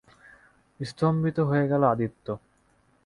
স্তম্ভিত হয়ে গেল আদিত্য।